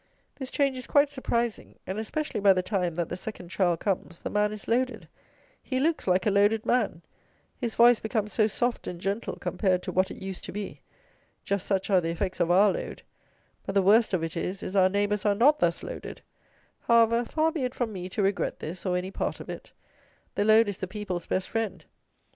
This change is quite surprising, and especially by the time that the second child comes the man is loaded; he looks like a loaded man; his voice becomes so soft and gentle compared to what it used to be. Just such are the effects of our load: but the worst of it is our neighbours are not thus loaded. However, far be it from me to regret this, or any part of it. The load is the people's best friend.